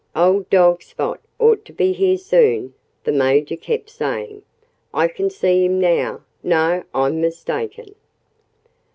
"Old dog Spot ought to be here soon," the Major kept saying. "I can see him now. No! I'm mistaken."